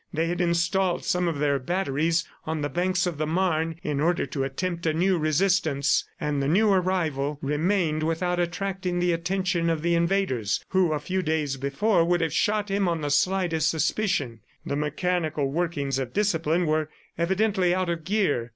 They had installed some of their batteries on the banks of the Marne in order to attempt a new resistance. ... And the new arrival remained without attracting the attention of the invaders who, a few days before, would have shot him on the slightest suspicion. The mechanical workings of discipline were evidently out of gear.